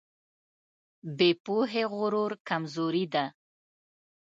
بې پوهې غرور کمزوري ده.